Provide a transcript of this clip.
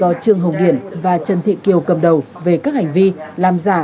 do trương hồng điện và trần thị kiều cầm đầu về các hành vi làm giả